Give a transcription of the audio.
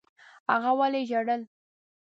هغې ولي ژړل؟